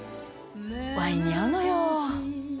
ワインに合うのよ。